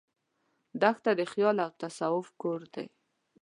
دښته د خیال او تصوف کور دی.